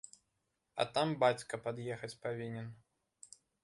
А там бацька пад'ехаць павінен.